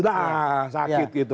dah sakit gitu